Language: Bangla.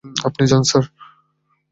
আপনি যান, স্যার।